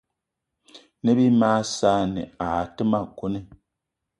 Ne bí mag saanì aa té ma kone.